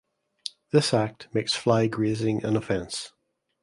This Act makes fly grazing an offence.